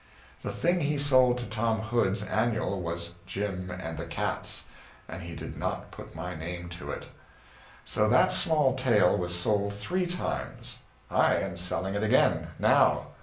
The thing he sold to Tom Hood's Annual was "Jim and the Cats." And he did not put my name to it. So that small tale was sold three times. I am selling it again, now.